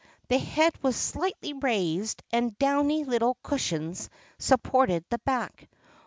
The head was slightly raised, and downy little cushions supported the back.